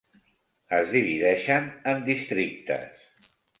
Es divideixen en districtes.